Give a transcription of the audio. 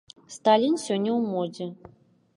Сталін сёння ў модзе.